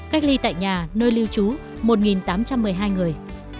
cách ly tại nhà nơi lưu trú một tám trăm một mươi hai người